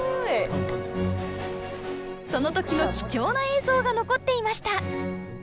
その時の貴重な映像が残っていました！